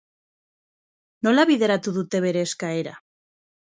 Nola bideratu dute bere eskaera?